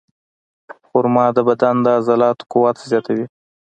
خرما د بدن د عضلاتو قوت زیاتوي.